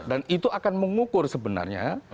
dan itu akan mengukur sebenarnya